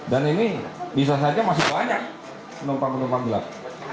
dan ini bisa saja masih banyak penumpang penumpang gelap